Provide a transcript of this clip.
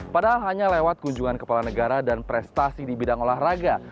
padahal hanya lewat kunjungan kepala negara dan prestasi di bidang olahraga